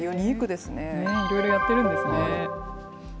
いろいろやってるんですね。